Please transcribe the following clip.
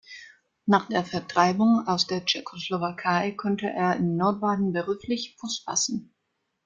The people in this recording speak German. Nach der Vertreibung aus der Tschechoslowakei konnte er in Nordbaden beruflich Fuß fassen.